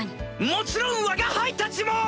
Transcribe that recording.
もちろんわが輩たちも！